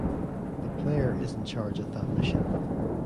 The player is in charge of that mission.